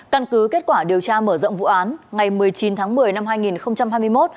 căn cứ kết quả điều tra mở rộng vụ án ngày một mươi chín tháng một mươi năm hai nghìn hai mươi một